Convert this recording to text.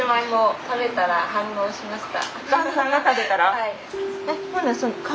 はい。